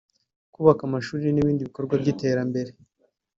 kubaka amashuri n’ibindi bikorwa by’iterambere